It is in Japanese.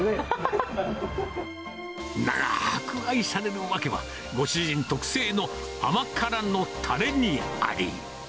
長ーく愛される訳は、ご主人特製の甘辛のたれにあり。